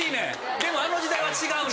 でもあの時代は違うねん。